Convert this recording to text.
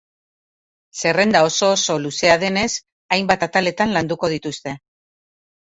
Zerrenda oso oso luzea denez, hainbat ataletan landuko dituzte.